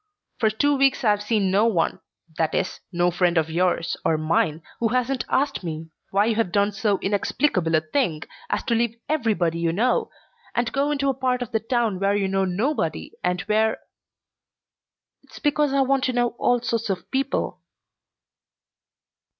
For two weeks I've seen no one that is, no friend of yours or mine who hasn't asked me why you have done so inexplicable a thing as to leave everybody you know and go into a part of the town where you know nobody and where " "It's because I want to know all sorts of people."